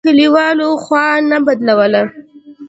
کلیوالو خوا نه بدوله.